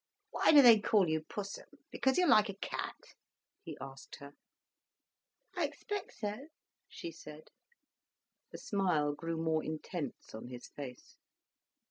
"Why do they call you Pussum, because you're like a cat?" he asked her. "I expect so," she said. The smile grew more intense on his face.